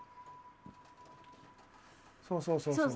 そうそうそうそう。